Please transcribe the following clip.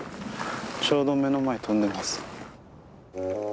ちょうど目の前飛んでます。